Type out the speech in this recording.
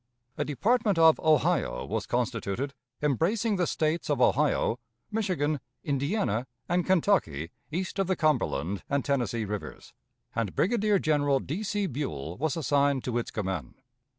A Department of Ohio was constituted, embracing the States of Ohio, Michigan, Indiana, and Kentucky east of the Cumberland and Tennessee Rivers; and Brigadier General D. C. Buell was assigned to its command.